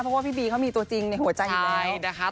เพราะว่าปี้บีก็มีตัวจริงในหัวใจอยู่แล้ว